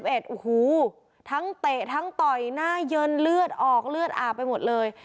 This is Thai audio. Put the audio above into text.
โอ้โหทั้งเตะทั้งต่อยหน้าเยินเลือดออกเลือดอาบไปหมดเลย